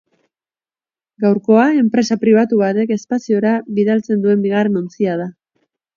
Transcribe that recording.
Gaurkoa enpresa pribatu batek espaziora bidaltzen duen bigarren ontzia da.